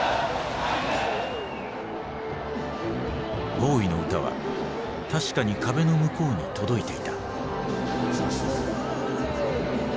ボウイの歌は確かに壁の向こうに届いていた。